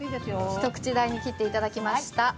一口大に切っていただきました。